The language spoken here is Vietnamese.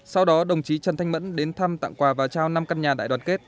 sau đó đồng chí trần thanh mẫn đến thăm tặng quà và trao năm căn nhà đại đoàn kết